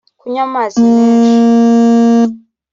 Kunywa amazi menshi